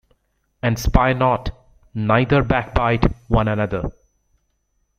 And spy not, neither backbite one another.